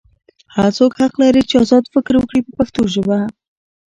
هر څوک حق لري چې ازاد فکر وکړي په پښتو ژبه.